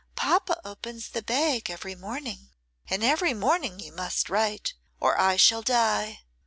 'Papa opens the bag every morning, and every morning you must write, or I shall die.